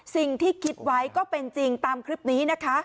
คิดไว้ก็เป็นจริงตามคลิปนี้นะคะ